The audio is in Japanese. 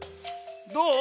どう？